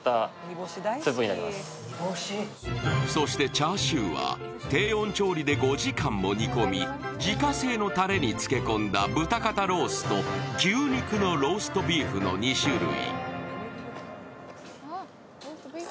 チャーシューは低温調理で５時間も煮込み自家製のたれに漬け込んだ豚肩ロースと牛肉のローストビーフの２種類。